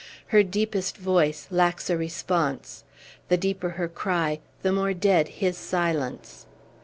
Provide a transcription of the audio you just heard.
Her deepest voice lacks a response; the deeper her cry, the more dead his silence.